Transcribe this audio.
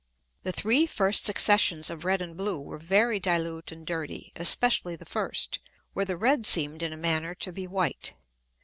The three first Successions of red and blue were very dilute and dirty, especially the first, where the red seem'd in a manner to be white.